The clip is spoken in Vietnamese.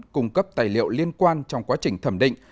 cung cấp tài liệu liên quan trong quá trình thẩm định